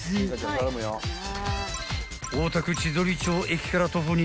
［大田区千鳥町駅から徒歩２分］